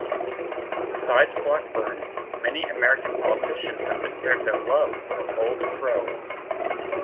Besides Blackburn, many American politicians have declared their love for Old Crow.